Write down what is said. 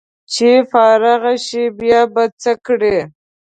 چې فارغ شې بیا به څه کړې